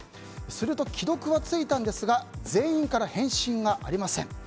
すると、既読はついたんですが全員から返信がありません。